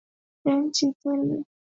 ya nchini italia inter millan